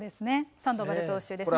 サンドバル投手ですね。